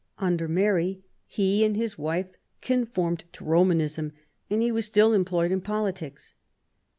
Under Mary he and his wife conformed to Romanism, and he was still employed in politics.